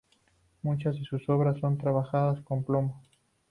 Muchas de sus obras son trabajadas con plomo.